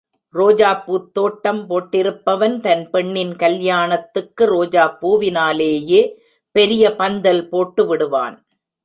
ரோஜாப்பூத் தோட்டம் போட்டிருப்பவன் தன் பெண்ணின் கல்யாணத்துக்கு ரோஜாப் பூவினாலேயே பெரிய பந்தல் போட்டு விடுவான்.